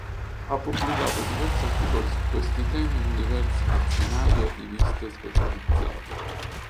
Ha pubblicato diversi articoli su questi temi in diversi dizionari e riviste specializzate.